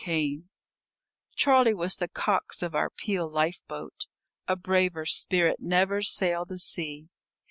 WEBB CHARLIE was the cox of our Peel lifeboat. A braver spirit never sailed the sea.